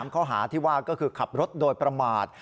ข้อหาที่ว่าก็คือขับรถโดยประมาท